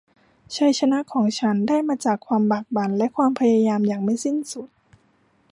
ชัยชนะของฉันได้มาจากความบากบั่นและความพยายามอย่างไม่สิ้นสุด